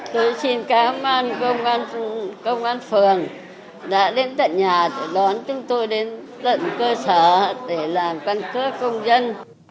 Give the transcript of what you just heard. tôi xin cảm ơn công an phường đã đến tận nhà đón chúng tôi đến tận cơ sở để làm căn cước công dân